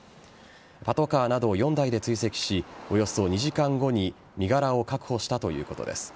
パトカーなど４台で追跡しおよそ２時間後に身柄を確保したということです。